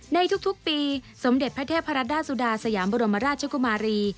ในทุกปีสมเด็จพระเทพรัดดาสุดาสยามบรมราชกุมารี